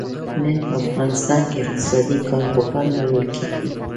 نن په افغانستان کې اقتصادي کارپوهان بلل کېږي.